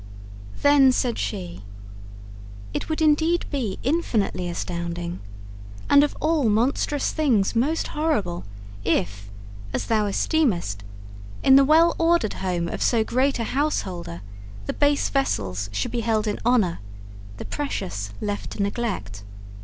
Then said she: 'It would indeed be infinitely astounding, and of all monstrous things most horrible, if, as thou esteemest, in the well ordered home of so great a householder, the base vessels should be held in honour, the precious left to neglect.